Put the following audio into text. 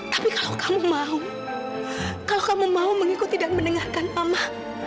tapi kalau kamu mau kalau kamu mau mengikuti dan mendengarkan mama